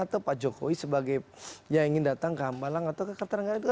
atau pak jokowi sebagai yang ingin datang ke ambalang atau ke keterenggaraan itu